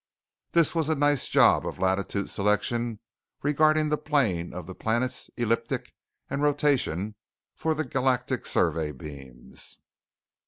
This was a nice job of latitude selection regarding the plane of the planet's ecliptic and rotation for the Galactic Survey beams.